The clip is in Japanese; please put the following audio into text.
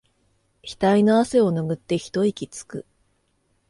ひたいの汗をぬぐって一息つく